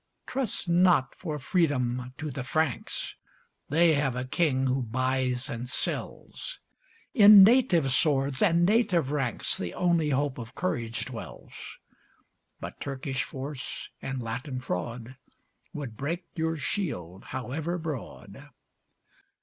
Trust not for freedom to the Franks They have a king who buys and sells; In native swords and native ranks The only hope of courage dwells: But Turkish force and Latin fraud Would break your shield, however broad.